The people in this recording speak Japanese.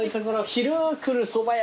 昼来るそば屋